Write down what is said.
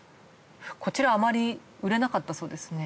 こちらあまり売れなかったそうですね。